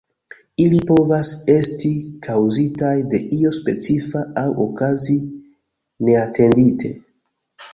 Ili povas esti kaŭzitaj de io specifa aŭ okazi neatendite.